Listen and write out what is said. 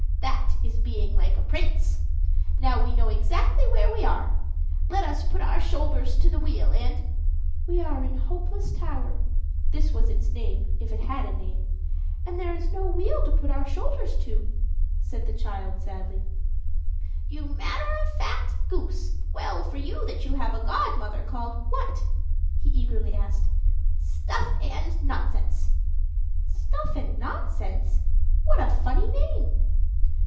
that is being like a prince. Now we know exactly where we are; let us put our shoulders to the wheel and " "We are in Hopeless Tower" (this was its name, if it had a name), "and there is no wheel to put our shoulders to," said the child sadly. "You little matter of fact goose! Well for you that you have a godmother called " "What?" he eagerly asked. "Stuff and nonsense." "Stuff and nonsense! What a funny name!"